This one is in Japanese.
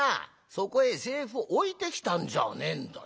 そこへ財布置いてきたんじゃねえんだよ。